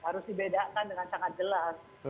harus dibedakan dengan sangat jelas